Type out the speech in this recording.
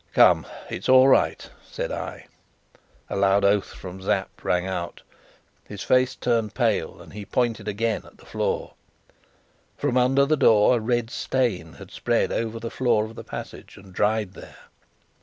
"Come, it's all right," said I. A loud oath from Sapt rang out. His face turned pale, and he pointed again at the floor. From under the door a red stain had spread over the floor of the passage and dried there.